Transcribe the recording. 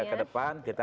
ya ke depan kita